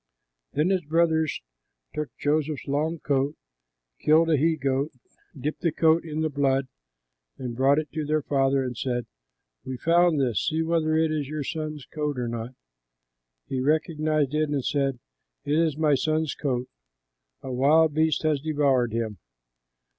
Then his brothers took Joseph's long coat, killed a he goat, dipped the coat in the blood, and brought it to their father, and said, "We found this; see whether it is your son's coat or not." He recognized it and said, "It is my son's coat! A wild beast has devoured him!